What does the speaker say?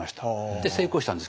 で成功したんです。